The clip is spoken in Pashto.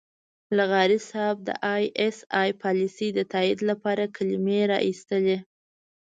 لغاري صاحب د اى ايس اى پالیسۍ د تائید لپاره کلمې را اېستلې.